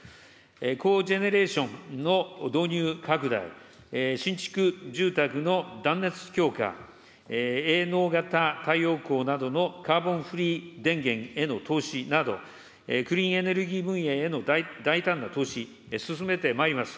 コジェネレーションの導入拡大、新築住宅の断熱強化、営農型太陽光などのカーボンフリー電源への投資など、クリーンエネルギー分野への大胆な投資、進めてまいります。